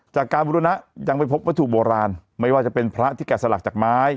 จากการบุรณะยังไม่พบวัตถุโบราณไม่ว่าจะเป็นพระที่แกะสลักจากไม้